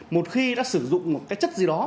một khi đã sử dụng một chất gì đó